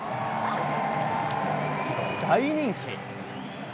大人気。